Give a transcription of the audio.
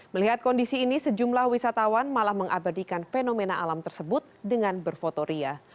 melihat kondisi ini sejumlah wisatawan malah mengabadikan fenomena alam tersebut dengan berfotoria